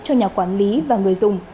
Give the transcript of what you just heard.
cho nhà quản lý và người dùng